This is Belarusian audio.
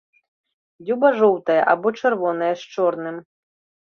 Дзюба жоўтая або чырвоная з чорным.